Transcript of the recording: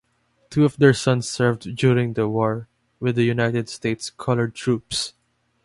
Two of their sons served during the war with the United States Colored Troops.